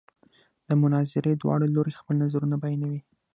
د مناظرې دواړه لوري خپل نظرونه بیانوي.